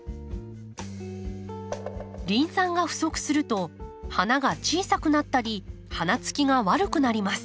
リン酸が不足すると花が小さくなったり花つきが悪くなります。